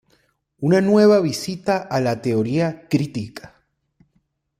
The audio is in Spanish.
Una nueva visita a la teoría crítica".